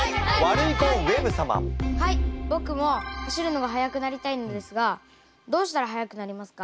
僕も走るのが速くなりたいのですがどうしたら速くなれますか？